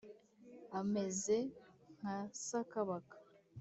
ameze nka saka baka